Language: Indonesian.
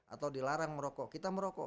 atau dilarang merokok